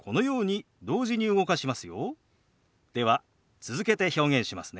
では続けて表現しますね。